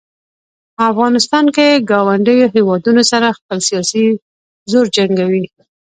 افغانستان له ګاونډیو هیوادونو سره خپل سیاسي زور جنګوي.